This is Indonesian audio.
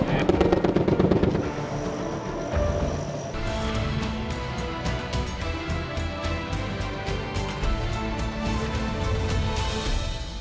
saya benar saya benar